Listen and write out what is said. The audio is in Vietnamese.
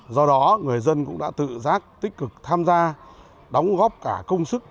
do đó người dân cũng đã tự giác tích cực tham gia đóng góp cả công sức